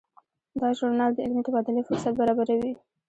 دا ژورنال د علمي تبادلې فرصت برابروي.